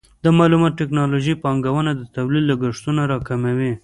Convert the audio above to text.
د معلوماتي ټکنالوژۍ پانګونه د تولید لګښتونه راکموي.